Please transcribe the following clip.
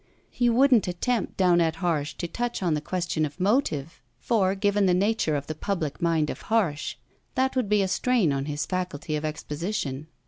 He wouldn't attempt down at Harsh to touch on the question of motive; for, given the nature of the public mind of Harsh, that would be a strain on his faculty of exposition.